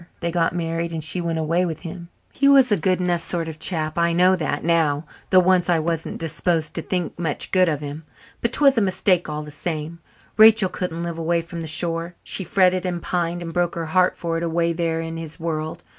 They got married and she went away with him. He was a good enough sort of chap. I know that now, though once I wasn't disposed to think much good of him. But 'twas a mistake all the same; Rachel couldn't live away from the shore. She fretted and pined and broke her heart for it away there in his world.